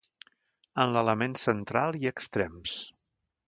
En l'element central i extrems.